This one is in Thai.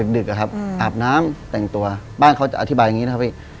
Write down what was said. ดึกอะครับอาบน้ำแต่งตัวบ้านเขาจะอธิบายอย่างนี้นะครับพี่